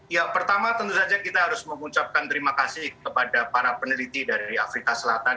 ya pertama tentu saja kita harus mengucapkan terima kasih kepada para peneliti dari afrika selatan